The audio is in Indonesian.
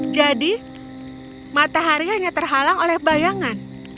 jadi matahari hanya terhalang oleh bayangan